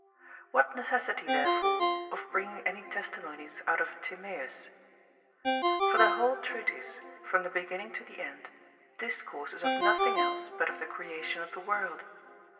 What necessity there fore of bringing any testimonies out of Timaeus ? For the whole treatise, from the beginning to the end, discourses of nothing else but of the creation of the world.